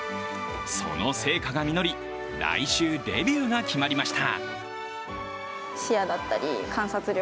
その成果が実り、来週デビューが決まりました。